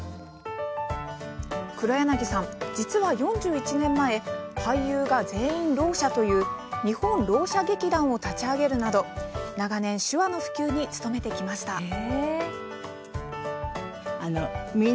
黒柳さん、実は４１年前俳優が全員ろう者という日本ろう者劇団を立ち上げるなど長年、手話の普及に努めてきました。